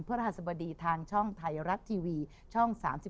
เพื่อรหัสบดีทางช่องไทยรักท์ทีวีช่อง๓๒